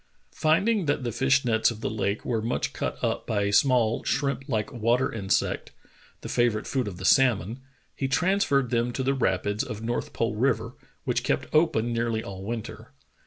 Finding that the fish nets of the lake were much cut up by a small, shrimp like water insect, the favorite food of the salmon, he transferred them to the rapids of North Pole River, which kept open nearly all winter.